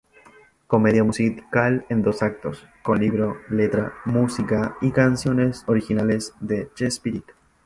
Comedia musical en dos actos, con libro, letra, música y canciones originales de Chespirito.